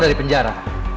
di di penjara